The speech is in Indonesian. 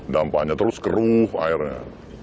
dampaknya terus keruh airnya